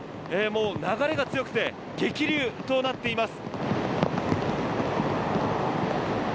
流れが強くて激流となっています。